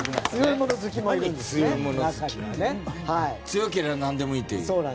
強けりゃ何でもいいっていう。